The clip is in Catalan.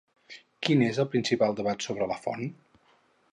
Quin és el principal debat sobre la font?